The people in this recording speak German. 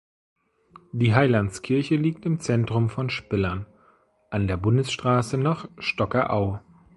Die Heilandskirche liegt im Zentrum von Spillern, an der Bundesstraße nach Stockerau.